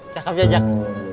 cakep ya jak